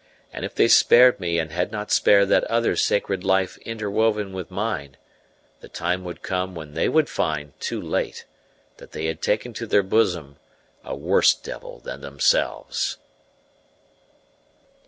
And if they spared me and had not spared that other sacred life interwoven with mine, the time would come when they would find, too late, that they had taken to their bosom a worse devil than themselves.